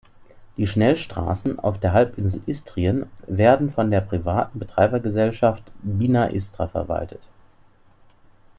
Die Schnellstraßen auf der Halbinsel Istrien werden von der privaten Betreibergesellschaft "Bina-Istra" verwaltet.